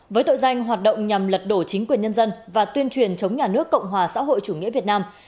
với tội danh hoạt động nhằm lật đổ chính quyền nhân dân và tuyên truyền chống nhà nước cộng hòa xã hội chủ nghĩa việt nam